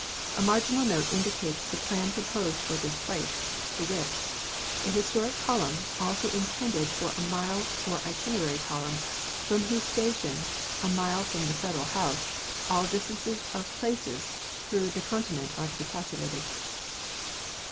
A marginal note indicates the plan proposed for this place, to wit: An historic column; also intended for a mile or itinerary column, from whose station (a mile from the Federal house) all distances of places through the continent are to be calculated.